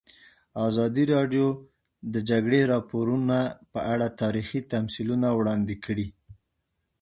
ازادي راډیو د د جګړې راپورونه په اړه تاریخي تمثیلونه وړاندې کړي.